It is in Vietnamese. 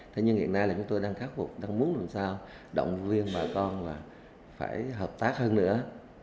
thế nhưng hiện nay là chúng tôi đang khắc phục đang muốn làm sao động viên bà con là phải hợp tác hơn nữa